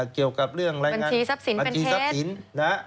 เกี่ยวกับเรื่องรายงานบัญชีทรัพย์สินนะฮะ